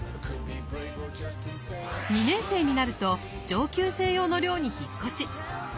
２年生になると上級生用の寮に引っ越し。